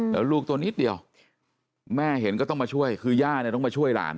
แล้วลูกตัวนิดเดียวแม่เห็นก็ต้องมาช่วยคือย่าเนี่ยต้องมาช่วยหลาน